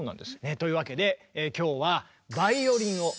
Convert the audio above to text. というわけで今日は「バイオリン」をテーマに。